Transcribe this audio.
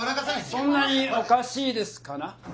そんなにおかしいですかな？